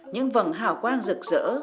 những vầng hào quang rực rỡ